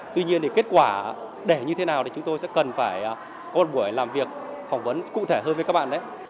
tuy nhiên thì kết quả để như thế nào thì chúng tôi sẽ cần phải có một buổi làm việc phỏng vấn cụ thể hơn với các bạn đấy